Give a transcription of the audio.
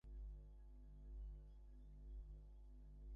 একটাকেই যদি নিন্দে কর তবে অন্যটাকেও রেয়াত করলে চলবে না।